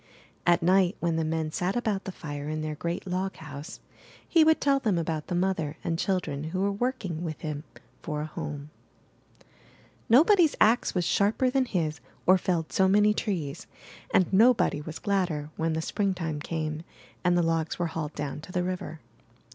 At night, when the men sat about the fire in their great loghouse, he would tell them about the mother and children who were working with him for a home. Nobody's ax was sharper than his or felled so many trees, and nobody was gladder when Spring time came and the logs were hauled down to the river.